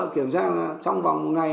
kiểm tra trong vòng một ngày